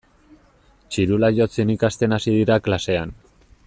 Txirula jotzen ikasten hasi dira klasean.